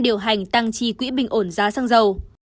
điều hành tăng chi quỹ bình ổn giá xăng dầu